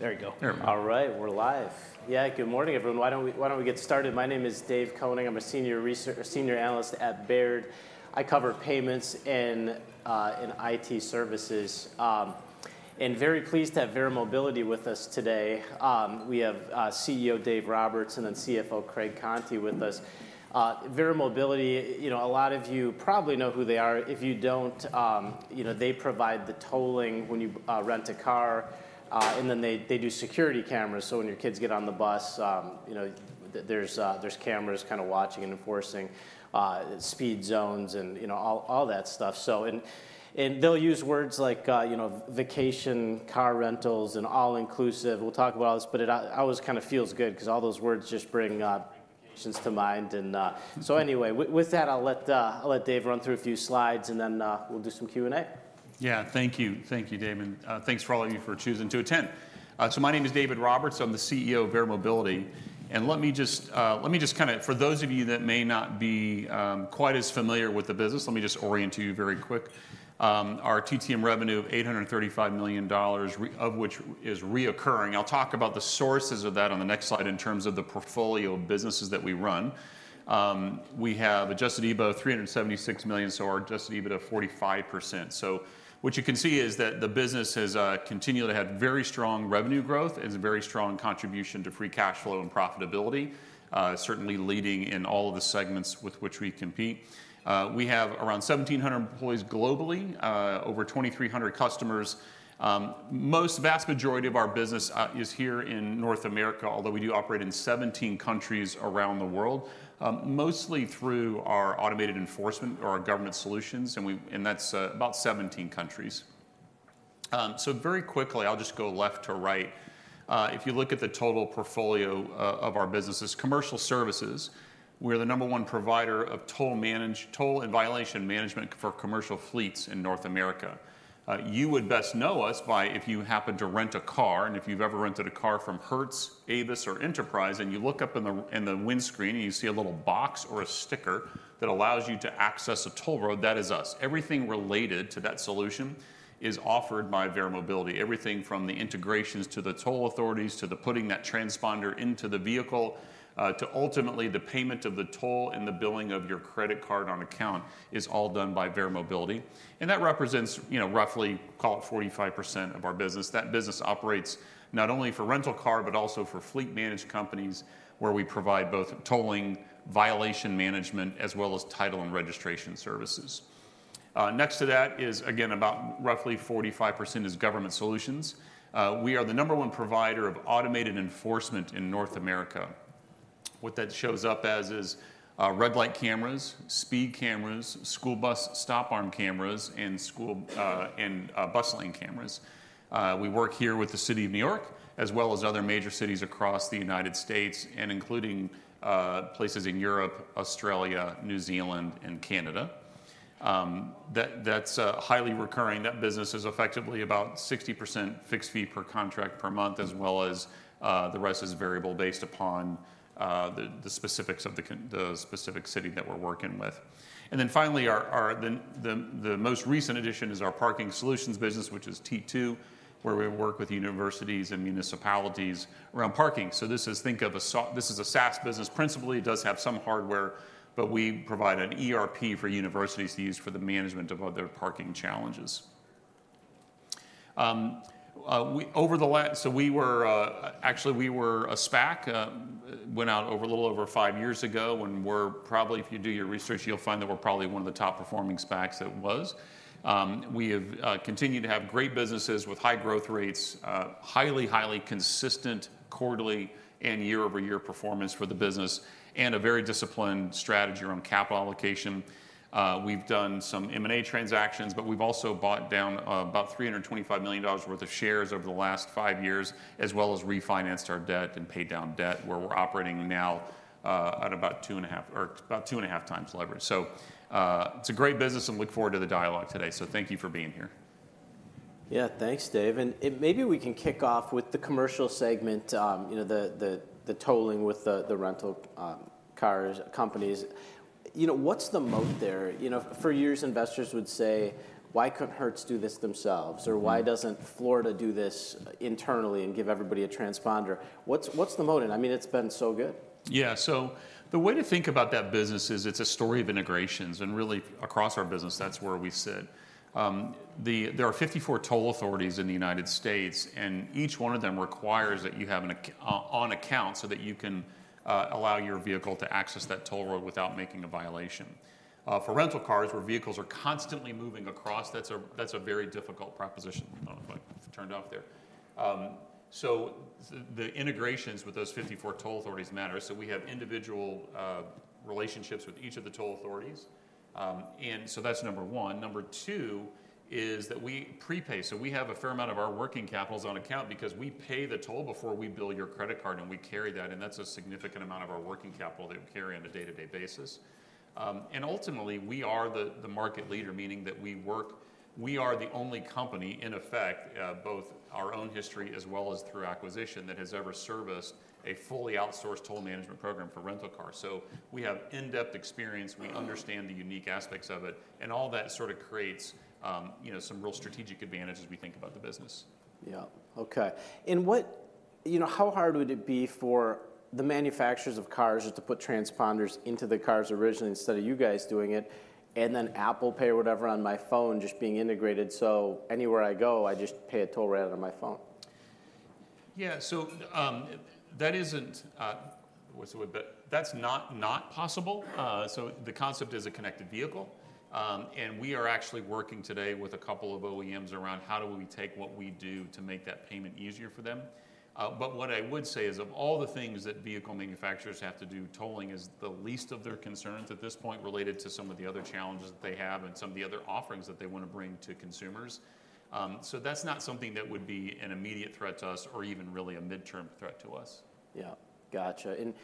There you go. There we go. All right, we're live. Yeah, good morning, everyone. Why don't we get started? My name is David Koning. I'm a senior research analyst at Baird. I cover payments and IT services. And very pleased to have Verra Mobility with us today. We have CEO David Roberts and then CFO Craig Conti with us. Verra Mobility, you know, a lot of you probably know who they are. If you don't, you know, they provide the tolling when you rent a car, and then they do security cameras, so when your kids get on the bus, you know, there's cameras kind of watching and enforcing speed zones and, you know, all that stuff. So, and they'll use words like, you know, vacation car rentals, and all-inclusive. We'll talk about this, but it always kind of feels good 'cause all those words just bring vacations to mind. And so anyway, with that, I'll let Dave run through a few slides, and then we'll do some Q&A. Yeah. Thank you. Thank you, David. Thanks for all of you for choosing to attend. So my name is David Roberts. I'm the CEO of Verra Mobility. Let me just kinda... For those of you that may not be quite as familiar with the business, let me just orient you very quick. Our TTM revenue of $835 million, of which is recurring. I'll talk about the sources of that on the next slide in terms of the portfolio of businesses that we run. We have adjusted EBITDA of $376 million, so our adjusted EBITDA of 45%. So what you can see is that the business has continued to have very strong revenue growth and a very strong contribution to free cash flow and profitability, certainly leading in all of the segments with which we compete. We have around 1,700 employees globally, over 2,300 customers. Most vast majority of our business is here in North America, although we do operate in 17 countries around the world, mostly through our automated enforcement or our government solutions, and that's about 17 countries. So very quickly, I'll just go left to right. If you look at the total portfolio of our businesses, commercial services, we're the number one provider of toll and violation management for commercial fleets in North America. You would best know us by if you happen to rent a car, and if you've ever rented a car from Hertz, Avis, or Enterprise, and you look up in the windshield, and you see a little box or a sticker that allows you to access a toll road, that is us. Everything related to that solution is offered by Verra Mobility. Everything from the integrations to the toll authorities, to the putting that transponder into the vehicle, to ultimately the payment of the toll and the billing of your credit card on account is all done by Verra Mobility. That represents, you know, roughly, call it 45% of our business. That business operates not only for rental car, but also for fleet-managed companies, where we provide both tolling, violation management, as well as title and registration services. Next to that is, again, about roughly 45% is government solutions. We are the number one provider of automated enforcement in North America. What that shows up as is red light cameras, speed cameras, school bus stop arm cameras, and bus lane cameras. We work here with the city of New York, as well as other major cities across the United States and including places in Europe, Australia, New Zealand, and Canada. That’s highly recurring. That business is effectively about 60% fixed fee per contract per month, as well as the rest is variable based upon the specifics of the specific city that we're working with. And then finally, the most recent addition is our parking solutions business, which is T2, where we work with universities and municipalities around parking. So this is a SaaS business. Principally, it does have some hardware, but we provide an ERP for universities to use for the management of their parking challenges. So we were actually, we were a SPAC, went out over a little over 5 years ago, and we're probably, if you do your research, you'll find that we're probably one of the top-performing SPACs that was. We have continued to have great businesses with high growth rates, highly, highly consistent quarterly and year-over-year performance for the business, and a very disciplined strategy around capital allocation. We've done some M&A transactions, but we've also bought down about $325 million worth of shares over the last 5 years, as well as refinanced our debt and paid down debt, where we're operating now at about 2.5 or about 2.5 times leverage. So, it's a great business, and look forward to the dialogue today. So thank you for being here. Yeah, thanks, Dave. And maybe we can kick off with the commercial segment, you know, the tolling with the rental cars companies. You know, what's the moat there? You know, for years, investors would say: Why couldn't Hertz do this themselves? Mm-hmm. Or, "Why doesn't Florida do this internally and give everybody a transponder?" What's the moat? And, I mean, it's been so good. Yeah. So the way to think about that business is it's a story of integrations, and really, across our business, that's where we sit. There are 54 toll authorities in the United States, and each one of them requires that you have an account, so that you can allow your vehicle to access that toll road without making a violation. For rental cars, where vehicles are constantly moving across, that's a very difficult proposition. But it turned off there. So the integrations with those 54 toll authorities matter, so we have individual relationships with each of the toll authorities. And so that's number one. Number two is that we prepay, so we have a fair amount of our working capital is on account because we pay the toll before we bill your credit card, and we carry that, and that's a significant amount of our working capital that we carry on a day-to-day basis. And ultimately, we are the market leader, meaning that we are the only company, in effect, both our own history, as well as through acquisition, that has ever serviced a fully outsourced toll management program for rental cars. So we have in-depth experience, we understand the unique aspects of it, and all that sort of creates, you know, some real strategic advantage as we think about the business. Yeah. Okay. And you know, how hard would it be for the manufacturers of cars to put transponders into the cars originally, instead of you guys doing it, and then Apple Pay or whatever on my phone just being integrated, so anywhere I go, I just pay a toll right out of my phone? Yeah, so, that isn't, what's the word? But that's not not possible. So the concept is a connected vehicle, and we are actually working today with a couple of OEMs around how do we take what we do to make that payment easier for them. But what I would say is, of all the things that vehicle manufacturers have to do, tolling is the least of their concerns at this point, related to some of the other challenges that they have and some of the other offerings that they want to bring to consumers. So that's not something that would be an immediate threat to us or even really a midterm threat to us. Yeah. Gotcha. And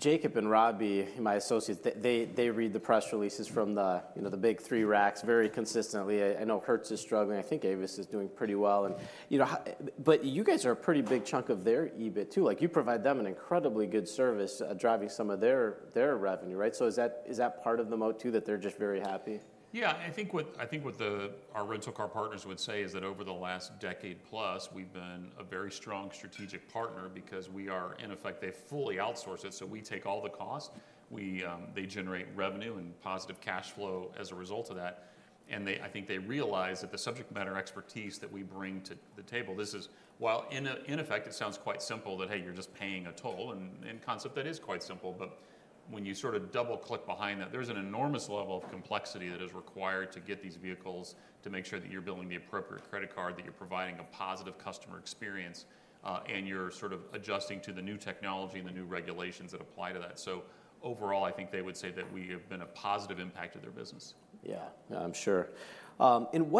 Jacob and Robbie, my associates, they read the press releases from the, you know, the big three rental car companies very consistently. I know Hertz is struggling. I think Avis is doing pretty well. And, you know, but you guys are a pretty big chunk of their EBIT too. Like, you provide them an incredibly good service, driving some of their revenue, right? So is that part of the moat, too, that they're just very happy? Yeah, I think what our rental car partners would say is that over the last decade plus, we've been a very strong strategic partner because we are... In effect, they fully outsource it, so we take all the costs. We, they generate revenue and positive cash flow as a result of that. And they, I think they realize that the subject matter expertise that we bring to the table, this is, while in effect, it sounds quite simple, that hey, you're just paying a toll, and in concept, that is quite simple. But when you sort of double-click behind that, there's an enormous level of complexity that is required to get these vehicles, to make sure that you're billing the appropriate credit card, that you're providing a positive customer experience, and you're sort of adjusting to the new technology and the new regulations that apply to that. So overall, I think they would say that we have been a positive impact to their business. Yeah. Yeah, I'm sure. And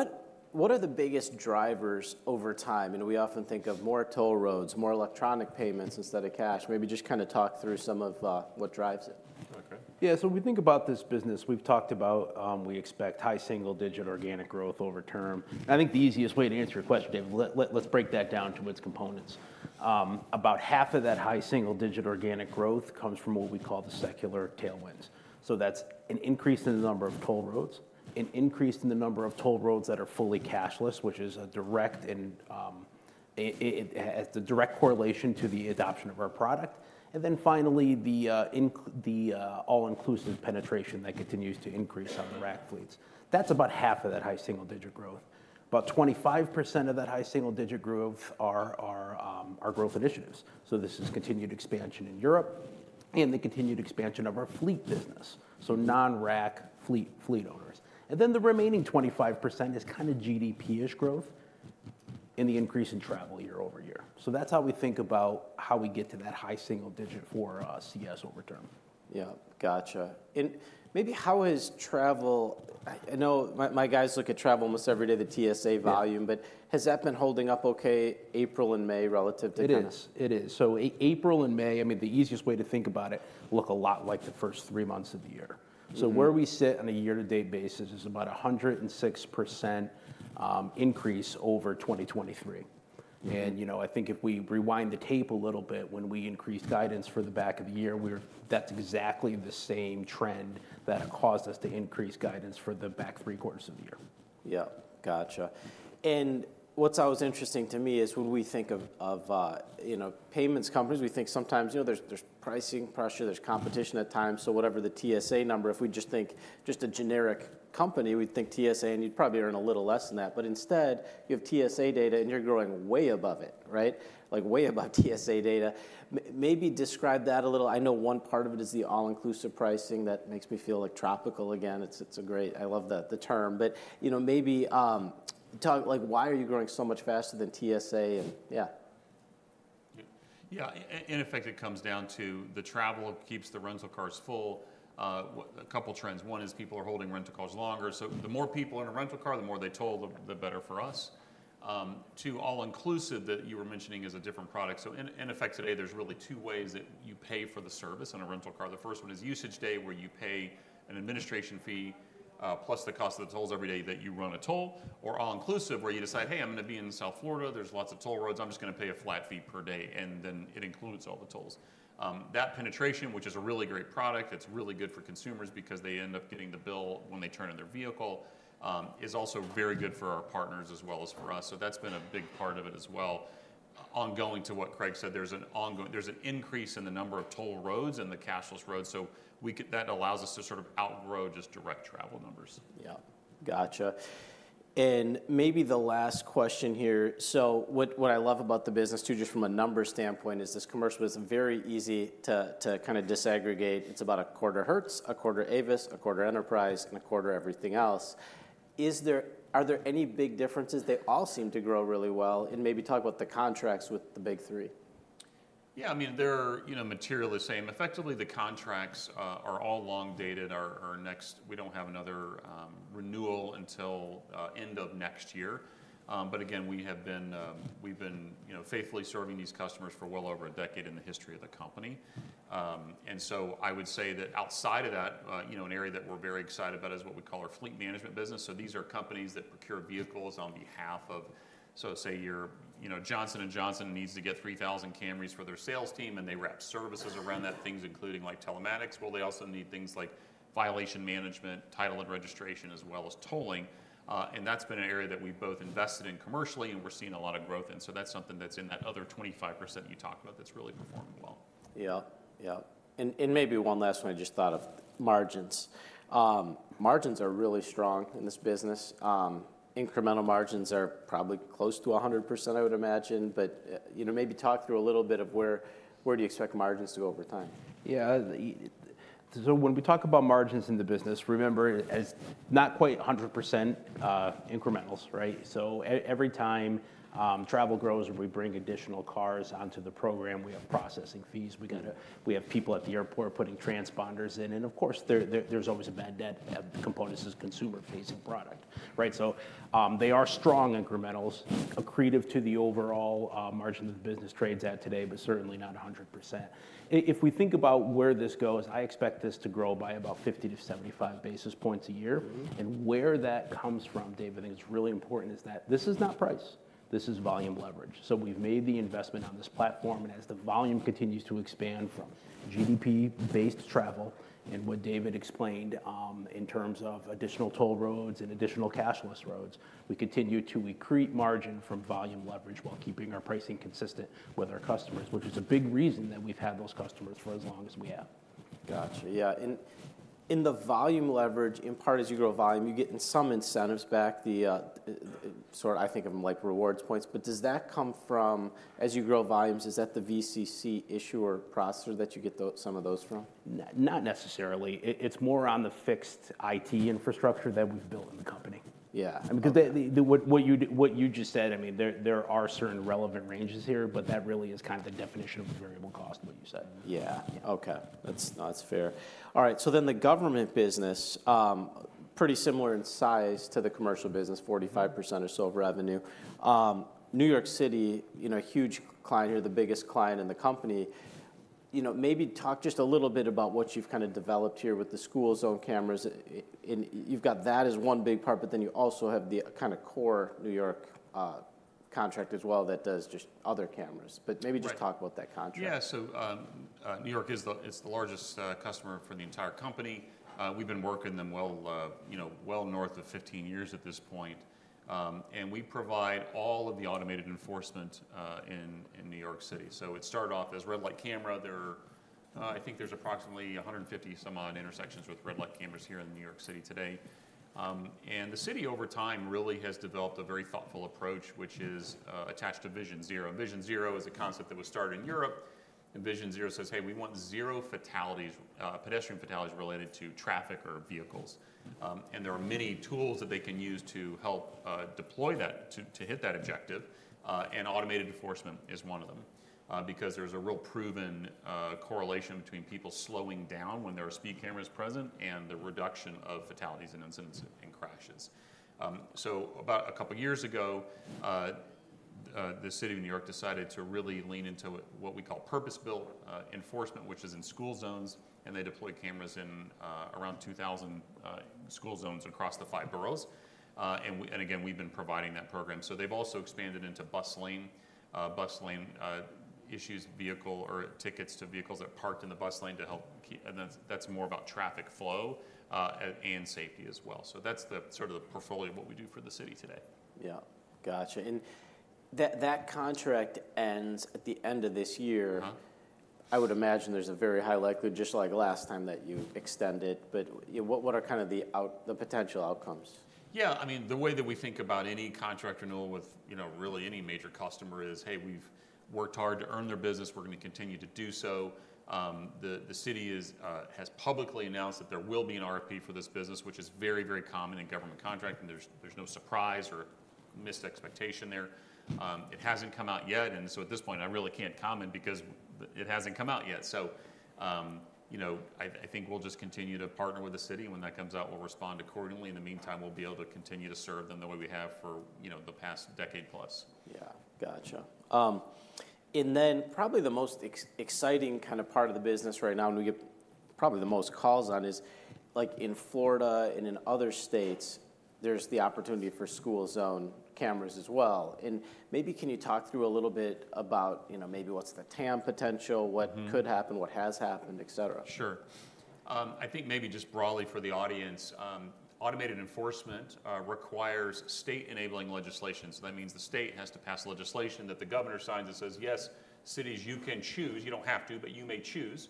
what are the biggest drivers over time? And we often think of more toll roads, more electronic payments instead of cash. Maybe just kinda talk through some of what drives it. Okay. Yeah, so we think about this business. We've talked about we expect high single-digit organic growth over term. I think the easiest way to answer your question, David, let's break that down to its components. About half of that high single-digit organic growth comes from what we call the secular tailwinds. So that's an increase in the number of toll roads, an increase in the number of toll roads that are fully cashless, which is a direct and it has a direct correlation to the adoption of our product. And then finally, the all-inclusive penetration that continues to increase on the rental fleets. That's about half of that high single-digit growth. About 25% of that high single-digit growth are our growth initiatives. So this is continued expansion in Europe and the continued expansion of our fleet business, so non-rack fleet, fleet owners. And then the remaining 25% is kind of GDP-ish growth in the increase in travel year-over-year. So that's how we think about how we get to that high single digit for CS over term. Yeah. Gotcha. And maybe how is travel... I know my guys look at travel almost every day, the TSA volume- Yeah... but has that been holding up okay, April and May, relative to guidance? It is. It is. So April and May, I mean, the easiest way to think about it, look a lot like the first three months of the year. Mm-hmm. Where we sit on a year-to-date basis is about 106% increase over 2023. Mm-hmm. You know, I think if we rewind the tape a little bit, when we increased guidance for the back of the year, we're - that's exactly the same trend that caused us to increase guidance for the back three quarters of the year. Yeah. Gotcha. And what's always interesting to me is when we think of, you know, payments companies, we think sometimes, you know, there's pricing pressure, there's competition at times. So whatever the TSA number, if we just think a generic company, we'd think TSA, and you'd probably earn a little less than that. But instead, you have TSA data, and you're growing way above it, right? Like, way above TSA data. Maybe describe that a little. I know one part of it is the all-inclusive pricing that makes me feel, like, tropical again. It's a great... I love the term, but, you know, maybe talk, like, why are you growing so much faster than TSA, and yeah. Yeah, in effect, it comes down to the travel keeps the rental cars full. A couple trends. One is people are holding rental cars longer, so the more people in a rental car, the more they toll, the better for us. Two, all-inclusive, that you were mentioning, is a different product. So in effect, today, there's really two ways that you pay for the service in a rental car. The first one is usage day, where you pay an administration fee plus the cost of the tolls every day that you run a toll, or all-inclusive, where you decide, "Hey, I'm gonna be in South Florida. There's lots of toll roads. I'm just gonna pay a flat fee per day," and then it includes all the tolls. That penetration, which is a really great product, that's really good for consumers because they end up getting the bill when they turn in their vehicle, is also very good for our partners as well as for us, so that's been a big part of it as well. Adding to what Craig said, there's an ongoing increase in the number of toll roads and the cashless roads, so that allows us to sort of outgrow just direct travel numbers. Yeah. Gotcha. And maybe the last question here: so what, what I love about the business too, just from a numbers standpoint, is this commercial is very easy to, to kinda disaggregate. It's about a quarter Hertz, a quarter Avis, a quarter Enterprise, and a quarter everything else. Is there, are there any big differences? They all seem to grow really well, and maybe talk about the contracts with the Big Three. Yeah, I mean, they're, you know, materially the same. Effectively, the contracts are all long dated. We don't have another renewal until end of next year. But again, we've been, you know, faithfully serving these customers for well over a decade in the history of the company. And so I would say that outside of that, you know, an area that we're very excited about is what we call our fleet management business. So these are companies that procure vehicles on behalf of, so say, your, you know, Johnson & Johnson needs to get 3,000 Camrys for their sales team, and they wrap services around that, things including, like, telematics. Well, they also need things like violation management, title and registration, as well as tolling, and that's been an area that we've both invested in commercially and we're seeing a lot of growth in. So that's something that's in that other 25% you talked about that's really performing well.... Yeah, yeah. And maybe one last one I just thought of: margins. Margins are really strong in this business. Incremental margins are probably close to 100%, I would imagine, but you know, maybe talk through a little bit of where do you expect margins to go over time? Yeah, so when we talk about margins in the business, remember, as not quite 100% incrementals, right? So every time travel grows, we bring additional cars onto the program, we have processing fees, we gotta-- we have people at the airport putting transponders in, and of course, there, there's always a bad debt component as a consumer-facing product, right? So they are strong incrementals, accretive to the overall margin of the business trades at today, but certainly not 100%. If we think about where this goes, I expect this to grow by about 50-75 basis points a year. Mm-hmm. And where that comes from, David, I think it's really important, is that this is not price, this is volume leverage. So we've made the investment on this platform, and as the volume continues to expand from GDP-based travel and what David explained, in terms of additional toll roads and additional cashless roads, we continue to accrete margin from volume leverage while keeping our pricing consistent with our customers, which is a big reason that we've had those customers for as long as we have. Gotcha, yeah. And in the volume leverage, in part, as you grow volume, you're getting some incentives back, the sort of I think of them like rewards points, but does that come from, as you grow volumes, is that the VCC issuer processor that you get some of those from? Not necessarily. It, it's more on the fixed IT infrastructure that we've built in the company. Yeah. I mean, 'cause what you just said, I mean, there are certain relevant ranges here, but that really is kind of the definition of a variable cost, what you said. Yeah. Okay, that's, that's fair. All right, so then the government business, pretty similar in size to the commercial business, 45% or so of revenue. New York City, you know, a huge client, you're the biggest client in the company. You know, maybe talk just a little bit about what you've kind of developed here with the school zone cameras. And you've got that as one big part, but then you also have the kinda core New York contract as well that does just other cameras. Right. Maybe just talk about that contract. Yeah. So, New York is the, it's the largest customer for the entire company. We've been working them well, you know, well north of 15 years at this point. And we provide all of the automated enforcement in New York City. So it started off as red light camera. There are, I think there's approximately 150-some odd intersections with red light cameras here in New York City today. And the city over time really has developed a very thoughtful approach, which is attached to Vision Zero. Vision Zero is a concept that was started in Europe, and Vision Zero says: "Hey, we want zero fatalities, pedestrian fatalities related to traffic or vehicles." And there are many tools that they can use to help deploy that, to hit that objective, and automated enforcement is one of them. Because there's a real proven correlation between people slowing down when there are speed cameras present and the reduction of fatalities and incidents and crashes. So about a couple of years ago, the city of New York decided to really lean into what we call purpose-built enforcement, which is in school zones, and they deployed cameras in around 2,000 school zones across the five boroughs. And we, and again, we've been providing that program. So they've also expanded into bus lane. Bus lane issues, violations or tickets to vehicles that parked in the bus lane to help and that's more about traffic flow and safety as well. So that's the sort of the portfolio of what we do for the city today. Yeah. Gotcha. And that contract ends at the end of this year. Uh-huh. I would imagine there's a very high likelihood, just like last time, that you extend it, but, yeah, what are kind of the potential outcomes? Yeah, I mean, the way that we think about any contract, or deal with, you know, really any major customer is: Hey, we've worked hard to earn their business, we're gonna continue to do so. The city has publicly announced that there will be an RFP for this business, which is very, very common in government contracting. There's no surprise or missed expectation there. It hasn't come out yet, and so at this point, I really can't comment because it hasn't come out yet. You know, I think we'll just continue to partner with the city. When that comes out, we'll respond accordingly. In the meantime, we'll be able to continue to serve them the way we have for, you know, the past decade plus. Yeah. Gotcha. And then probably the most exciting kind of part of the business right now, and we get probably the most calls on, is like in Florida and in other states, there's the opportunity for school zone cameras as well. And maybe, can you talk through a little bit about, you know, maybe what's the TAM potential- Mm-hmm. What could happen, what has happened, et cetera? Sure. I think maybe just broadly for the audience, automated enforcement requires state-enabling legislation. So that means the state has to pass legislation that the governor signs and says: "Yes, cities, you can choose, you don't have to, but you may choose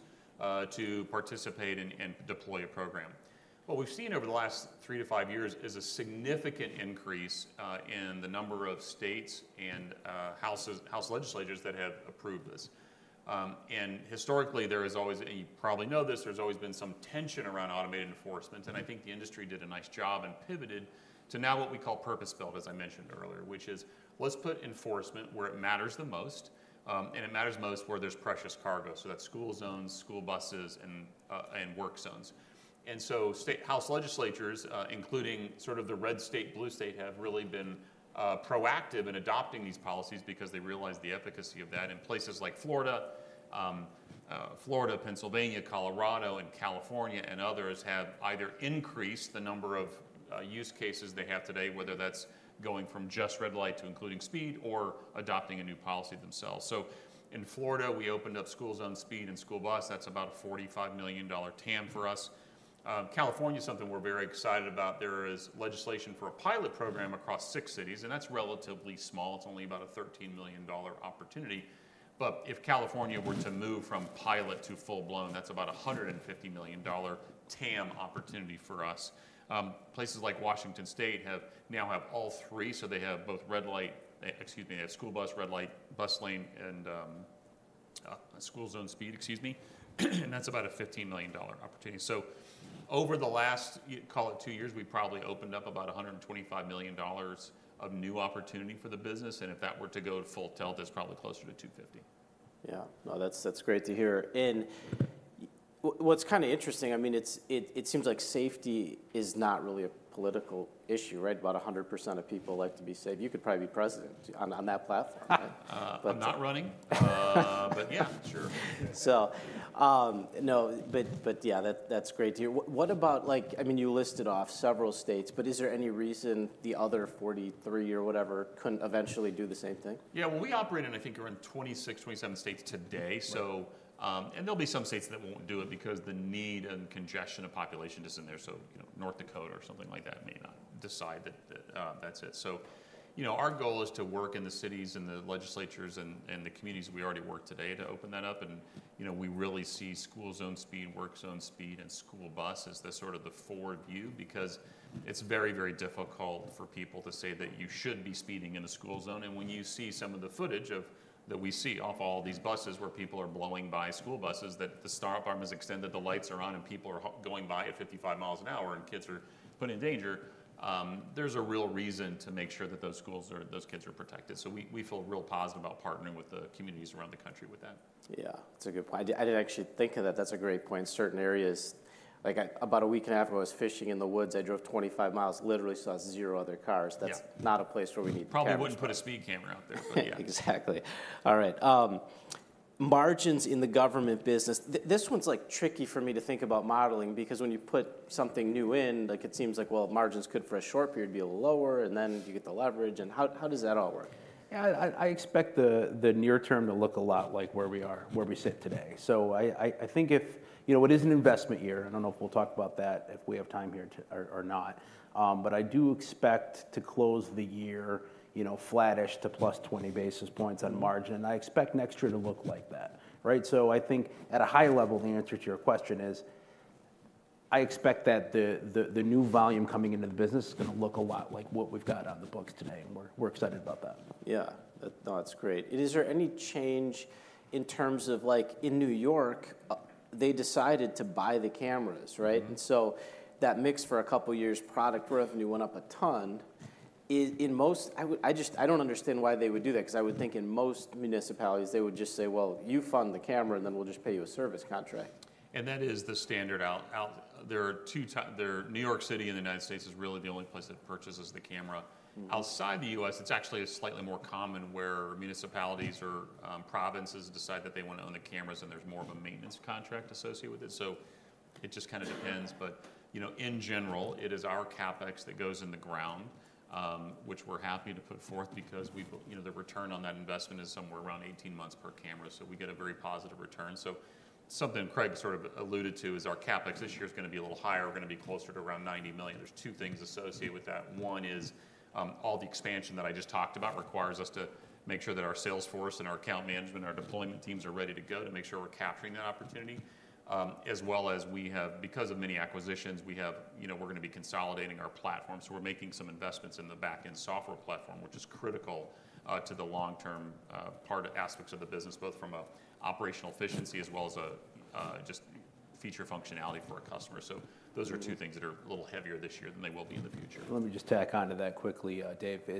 to participate and deploy a program." What we've seen over the last 3-5 years is a significant increase in the number of states and houses, house legislators that have approved this. And historically, there is always, and you probably know this, there's always been some tension around automated enforcement, and I think the industry did a nice job and pivoted to now what we call purpose-built, as I mentioned earlier, which is, let's put enforcement where it matters the most. It matters most where there's precious cargo, so that's school zones, school buses, and work zones. State legislatures, including sort of the red state, blue state, have really been proactive in adopting these policies because they realize the efficacy of that in places like Florida, Pennsylvania, Colorado, and California, and others have either increased the number of use cases they have today, whether that's going from just red light to including speed or adopting a new policy themselves. So in Florida, we opened up school zone speed and school bus. That's about a $45 million TAM for us. California is something we're very excited about. There is legislation for a pilot program across six cities, and that's relatively small. It's only about a $13 million opportunity. But if California were to move from pilot to full-blown, that's about a $150 million TAM opportunity for us. Places like Washington State have, now have all three, so they have both red light, excuse me, they have school bus, red light, bus lane, and school zone speed, excuse me, and that's about a $15 million opportunity. So over the last, call it 2 years, we probably opened up about a $125 million of new opportunity for the business, and if that were to go to full tilt, it's probably closer to $250 million. Yeah. No, that's great to hear. And what's kind of interesting, I mean, it seems like safety is not really a political issue, right? About 100% of people like to be safe. You could probably be president on that platform. I'm not running. But yeah, sure. So, no, but, but yeah, that, that's great to hear. What about like, I mean, you listed off several states, but is there any reason the other 43 or whatever couldn't eventually do the same thing? Yeah. Well, we operate in, I think, around 26, 27 states today. Right. So, and there'll be some states that won't do it because the need and congestion of population just isn't there. So, you know, North Dakota or something like that may not decide that that's it. So, you know, our goal is to work in the cities and the legislatures and the communities we already work today to open that up. And, you know, we really see school zone speed, work zone speed, and school bus as the sort of the forward view, because it's very, very difficult for people to say that you shouldn't be speeding in a school zone. When you see some of the footage that we see of all these buses where people are blowing by school buses, that the stop arm is extended, the lights are on, and people are going by at 55 miles an hour, and kids are put in danger, there's a real reason to make sure that those schools are, those kids are protected. So we feel real positive about partnering with the communities around the country with that. Yeah, that's a good point. I didn't actually think of that. That's a great point. Certain areas, like about a week and a half ago, I was fishing in the woods. I drove 25 miles, literally saw 0 other cars. Yeah. That's not a place where we need cameras. Probably wouldn't put a speed camera out there, but yeah. Exactly. Alright, margins in the government business. This one's, like, tricky for me to think about modeling, because when you put something new in, like, it seems like, well, margins could, for a short period, be a little lower, and then you get the leverage. And how, how does that all work? Yeah, I expect the near term to look a lot like where we are, where we sit today. So I think if... You know, it is an investment year. I don't know if we'll talk about that, if we have time here to or not. But I do expect to close the year, you know, flattish to +20 basis points on margin. I expect next year to look like that, right? So I think at a high level, the answer to your question is, I expect that the new volume coming into the business is gonna look a lot like what we've got on the books today, and we're excited about that. Yeah. No, that's great. And is there any change in terms of, like, in New York, they decided to buy the cameras, right? Mm-hmm. So that mix for a couple of years, product revenue went up a ton. In most... I just, I don't understand why they would do that, 'cause I would think in most municipalities, they would just say: Well, you fund the camera, and then we'll just pay you a service contract. That is the standard out. There... New York City in the United States is really the only place that purchases the camera. Mm. Outside the US, it's actually slightly more common where municipalities or provinces decide that they want to own the cameras, and there's more of a maintenance contract associated with it. So it just kind of depends. But, you know, in general, it is our CapEx that goes in the ground, which we're happy to put forth because you know, the return on that investment is somewhere around 18 months per camera, so we get a very positive return. So something Craig sort of alluded to is our CapEx this year is gonna be a little higher. We're gonna be closer to around $90 million. There's two things associated with that. One is, all the expansion that I just talked about requires us to make sure that our sales force and our account management, our deployment teams are ready to go to make sure we're capturing that opportunity. As well as we have, because of many acquisitions, we have, you know, we're gonna be consolidating our platform, so we're making some investments in the back-end software platform, which is critical to the long-term aspects of the business, both from a operational efficiency as well as a just feature functionality for our customers. So those are two things- Mm... that are a little heavier this year than they will be in the future. Let me just tack on to that quickly, Dave, the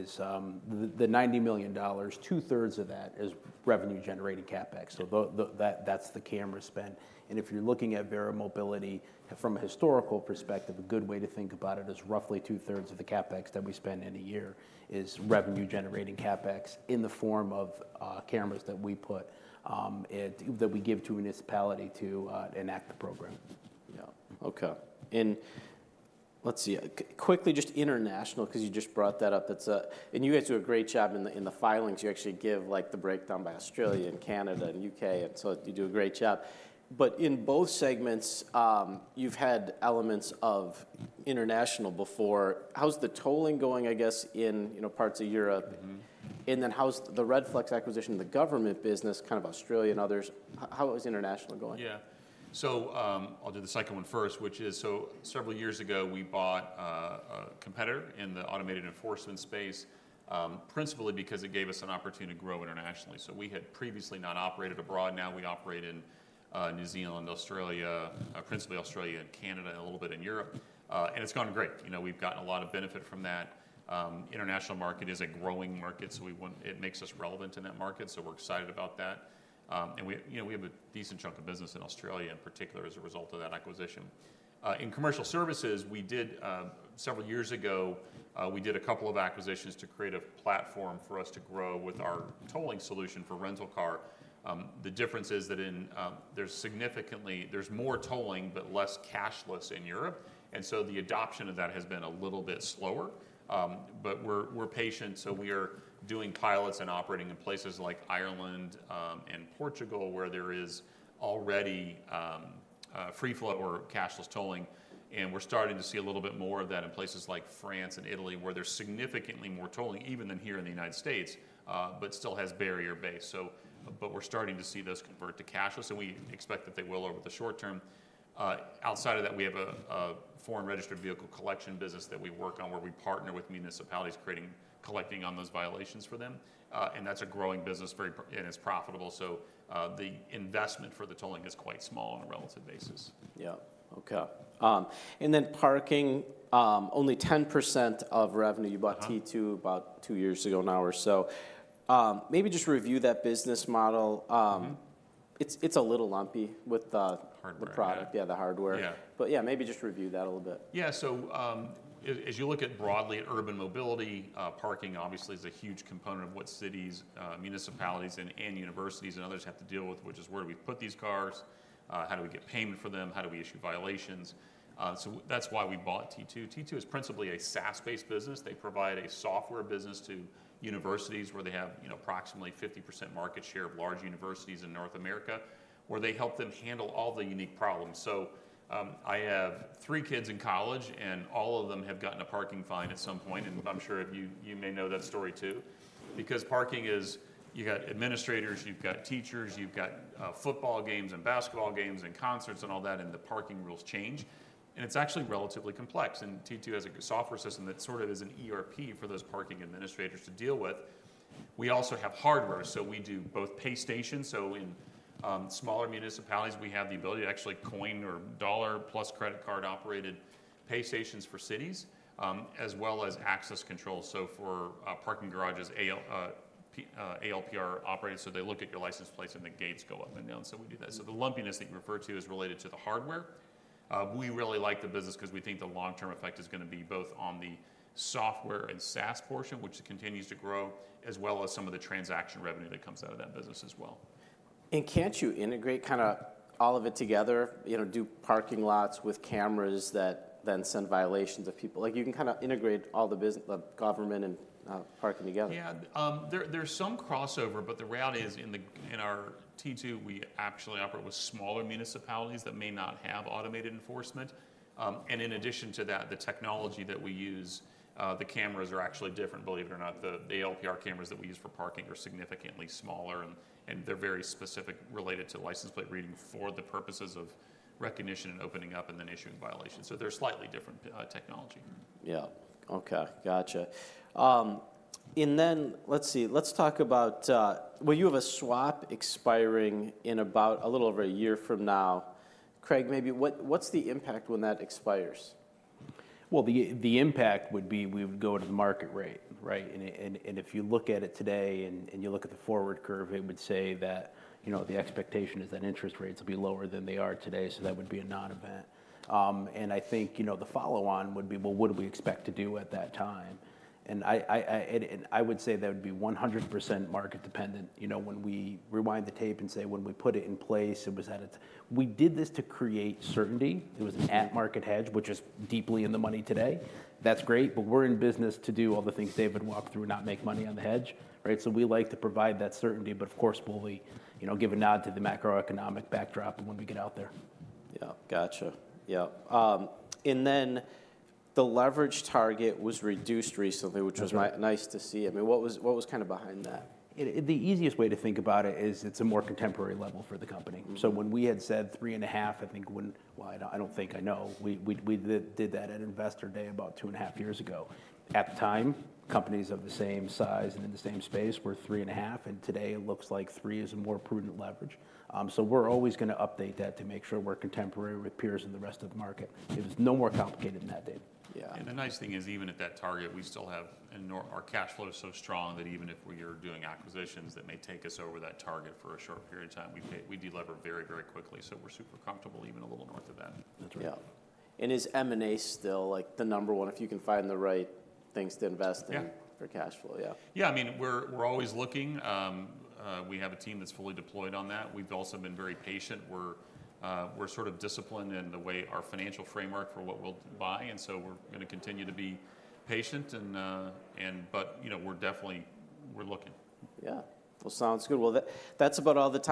$90 million, two-thirds of that is revenue-generating CapEx. Mm. So that's the camera spend. And if you're looking at Verra Mobility from a historical perspective, a good way to think about it is roughly two-thirds of the CapEx that we spend in a year is revenue-generating CapEx in the form of cameras that we give to a municipality to enact the program. Yeah. Okay. And let's see, quickly, just international, 'cause you just brought that up. That's... And you guys do a great job in the filings. You actually give, like, the breakdown by Australia and Canada and U.K., and so you do a great job. But in both segments, you've had elements of international before. How's the tolling going, I guess, in, you know, parts of Europe? Mm-hmm. And then, how's the Redflex acquisition in the government business, kind of Australia and others? How is international going? Yeah. So, I'll do the second one first, which is, so several years ago, we bought a competitor in the automated enforcement space, principally because it gave us an opportunity to grow internationally. So we had previously not operated abroad. Now we operate in New Zealand, Australia, principally Australia and Canada, and a little bit in Europe. And it's gone great. You know, we've gotten a lot of benefit from that. International market is a growing market, so it makes us relevant in that market, so we're excited about that. And we, you know, we have a decent chunk of business in Australia in particular, as a result of that acquisition. In commercial services, we did, several years ago, we did a couple of acquisitions to create a platform for us to grow with our tolling solution for rental car. The difference is that there's more tolling, but less cashless in Europe, and so the adoption of that has been a little bit slower. But we're patient, so we are doing pilots and operating in places like Ireland and Portugal, where there is already free-flow or cashless tolling. We're starting to see a little bit more of that in places like France and Italy, where there's significantly more tolling, even than here in the United States, but still has barrier-based. But we're starting to see those convert to cashless, and we expect that they will over the short term. Outside of that, we have a foreign registered vehicle collection business that we work on, where we partner with municipalities, collecting on those violations for them. And that's a growing business, very profitable. So, the investment for the tolling is quite small on a relative basis. Yeah. Okay. And then parking, only 10% of revenue- Uh-huh... you bought T2 about two years ago now or so. Maybe just review that business model. It's, it's a little lumpy with the- Hardware. Yeah, the hardware. Yeah. Yeah, maybe just review that a little bit. Yeah. So, as you look at broadly at urban mobility, parking obviously is a huge component of what cities, municipalities, and universities and others have to deal with, which is: where do we put these cars? How do we get payment for them? How do we issue violations? So that's why we bought T2. T2 is principally a SaaS-based business. They provide a software business to universities where they have, you know, approximately 50% market share of large universities in North America, where they help them handle all the unique problems. So, I have three kids in college, and all of them have gotten a parking fine at some point, and I'm sure if you you may know that story, too. Because parking is... You've got administrators, you've got teachers, you've got football games and basketball games and concerts and all that, and the parking rules change. And it's actually relatively complex, and T2 has a software system that sort of is an ERP for those parking administrators to deal with. We also have hardware, so we do both pay stations, so in smaller municipalities, we have the ability to actually coin or dollar plus credit card-operated pay stations for cities, as well as access control, so for parking garages, ALPR operated, so they look at your license plates, and the gates go up and down. So we do that. So the lumpiness that you referred to is related to the hardware. We really like the business 'cause we think the long-term effect is gonna be both on the software and SaaS portion, which continues to grow, as well as some of the transaction revenue that comes out of that business as well. And can't you integrate kinda all of it together? You know, do parking lots with cameras that then send violations to people. Like, you can kinda integrate all the government and parking together. Yeah. There's some crossover, but the reality is in our T2, we actually operate with smaller municipalities that may not have automated enforcement. And in addition to that, the technology that we use, the cameras are actually different, believe it or not. The LPR cameras that we use for parking are significantly smaller, and they're very specific related to license plate reading for the purposes of recognition and opening up and then issuing violations. So they're slightly different technology. Yeah. Okay, gotcha. Let's see. Let's talk about, well, you have a swap expiring in about a little over a year from now. Craig, maybe what's the impact when that expires? Well, the impact would be we would go to the market rate, right? And if you look at it today and you look at the forward curve, it would say that, you know, the expectation is that interest rates will be lower than they are today, so that would be a non-event. And I think, you know, the follow-on would be, well, what do we expect to do at that time? And I would say that would be 100% market dependent. You know, when we rewind the tape and say when we put it in place, it was at its... We did this to create certainty. It was an at-market hedge, which is deeply in the money today. That's great, but we're in business to do all the things David walked through, not make money on the hedge, right? So we like to provide that certainty, but of course, we'll be, you know, give a nod to the macroeconomic backdrop when we get out there. Yeah. Gotcha. Yeah. And then the leverage target was reduced recently- That's right. which was nice to see. I mean, what was kinda behind that? The easiest way to think about it is it's a more contemporary level for the company. Mm-hmm. So when we had said 3.5, I think when... Well, I don't think I know. We did that at Investor Day about 2.5 years ago. At the time, companies of the same size and in the same space were 3.5, and today it looks like 3 is a more prudent leverage. So we're always gonna update that to make sure we're contemporary with peers in the rest of the market. It is no more complicated than that, David. Yeah. The nice thing is, even at that target, we still have... And our cash flow is so strong that even if we are doing acquisitions that may take us over that target for a short period of time, we delever very, very quickly, so we're super comfortable even a little north of that. That's right. Yeah. Is M&A still, like, the number one, if you can find the right things to invest in- Yeah for cash flow? Yeah. Yeah, I mean, we're always looking. We have a team that's fully deployed on that. We've also been very patient. We're sort of disciplined in the way our financial framework for what we'll buy, and so we're gonna continue to be patient and, and but, you know, we're definitely, we're looking. Yeah. Well, sounds good. Well, that, that's about all the time-